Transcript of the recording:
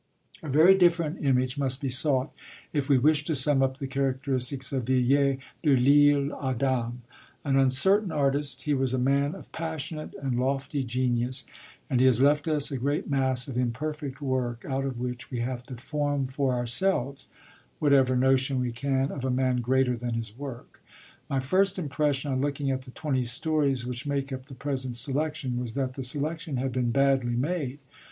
A very different image must be sought if we wish to sum up the characteristics of Villiers de l'Isle Adam. An uncertain artist, he was a man of passionate and lofty genius, and he has left us a great mass of imperfect work, out of which we have to form for ourselves whatever notion we can of a man greater than his work. My first impression, on looking at the twenty stories which make up the present selection, was that the selection had been badly made.